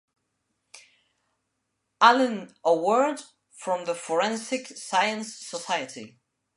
Allen Award from the Forensic Science Society.